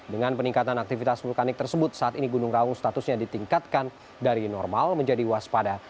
dengan peningkatan aktivitas vulkanik tersebut saat ini gunung raung statusnya ditingkatkan dari normal menjadi waspada